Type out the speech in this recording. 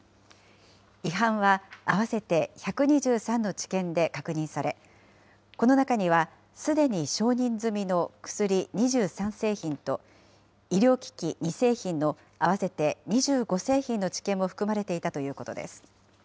違反は合わせて１２３の治験で確認され、この中には、すでに承認済みの薬２３製品と、医療機器２製品の合わせて２５製品の治験も含まれていたということです。